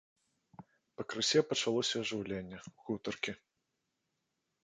Пакрысе пачалося ажыўленне, гутаркі.